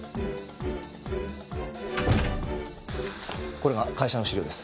これが会社の資料です。